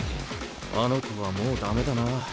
あの子はもう駄目だな。